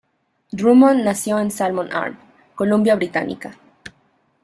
Drummond nació en Salmon Arm, Columbia Británica.